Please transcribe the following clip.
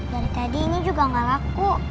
dari tadi ini juga gak laku